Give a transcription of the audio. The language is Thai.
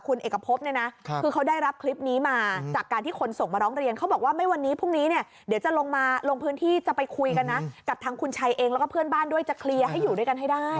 คุณเอกพบเนี่ยนะคือเขาได้รับคลิปนี้มาจากการที่คนส่งมาร้องเรียนเขาบอกว่าไม่วันนี้พรุ่งนี้เนี่ยเดี๋ยวจะลงมาลงพื้นที่จะไปคุยกันนะกับทางคุณชัยเองแล้วก็เพื่อนบ้านด้วยจะเคลียร์ให้อยู่ด้วยกันให้ได้